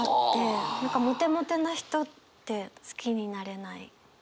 何かモテモテな人って好きになれない。